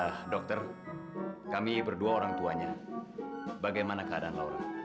ya dokter kami berdua orang tuanya bagaimana keadaan laura